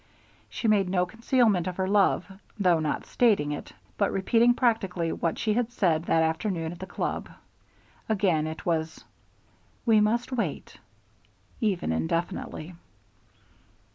She made no concealment of her love, though not stating it, but repeated practically what she had said that afternoon at the club. Again it was, "We must wait " even indefinitely.